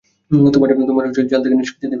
তোমার জাল থেকে নিষ্কৃতি দেবে।